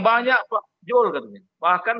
banyak pak jul katanya bahkan